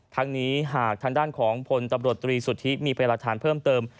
ทั้งนี้หากทางด้านของพลตำรวจตรีสุทธิมีพยายามหลักฐานเพิ่มเติม